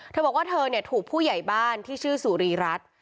เธอบอกว่าเธอถูกผู้ใหญ่บ้านที่ชื่อสุรีรัฐ